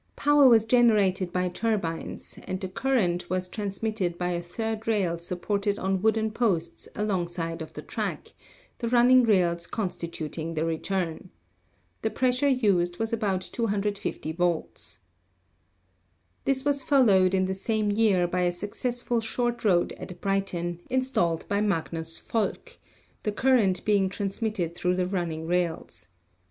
Power was gener ated by turbines, and the current was transmitted by a third rail supported on wooden posts alongside of the track, the running rails constituting the return. The pres sure used was about 250 volts. This was followed in the same year by a successful short road at Brighton, installed by Magnus Volk, the current being transmitted through the running rails.